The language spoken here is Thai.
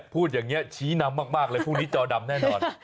พูดอย่างนี้ชี้นำมากเลยพรุ่งนี้จอดำแน่นอน